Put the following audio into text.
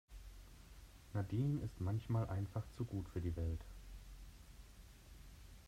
Nadine ist manchmal einfach zu gut für die Welt.